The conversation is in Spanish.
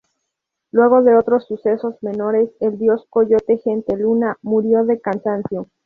Luego de otros sucesos menores, el dios Coyote-gente-luna murió de cansancio.